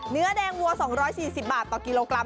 เนื้อแดงวัว๒๔๐บาทต่อกิโลกรัม